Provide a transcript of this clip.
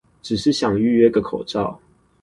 只是想預約個口罩